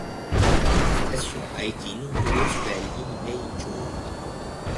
La station a été inaugurée le sur la ligne Meijō.